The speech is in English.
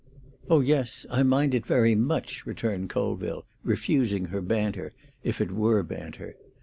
"Oh yes, I mind it very much," returned Colville, refusing her banter, if it were banter.